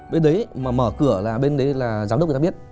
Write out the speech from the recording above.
bên đấy mà mở cửa là bên đấy là giám đốc người ta biết